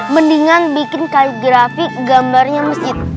mendingan bikin kaligrafi gambarnya masjid